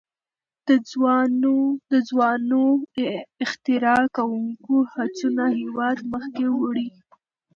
د ځوانو اختراع کوونکو هڅونه هیواد مخکې وړي.